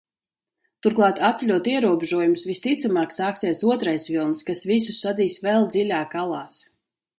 Turklāt, atceļot ierobežojumus, visticamāk, sāksies otrais vilnis, kas visus sadzīs vēl dziļāk alās.